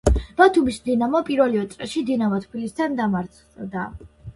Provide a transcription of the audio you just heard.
ბათუმის „დინამო“ პირველივე წრეში „დინამო თბილისთან“ დამარცხდა.